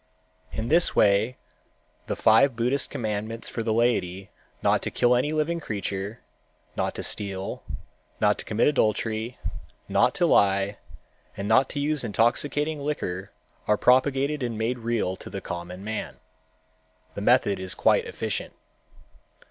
In this way the five Buddhist commandments for the laity not to kill any living creature, not to steal, not to commit adultery, not to lie, and not to use intoxicating liquor are propagated and made real to the common man. The method is quite efficient.